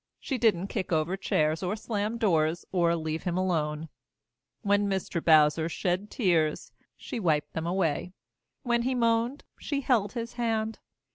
She didn't kick over chairs or slam doors or leave him alone. When Mr. Bowser shed tears, she wiped them away. When he moaned, she held his hand.